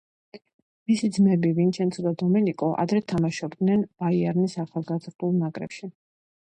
მისი ძმები, ვინჩენცო და დომენიკო ადრე თამაშობდნენ „ბაიერნის“ ახალგაზრდულ გუნდებში.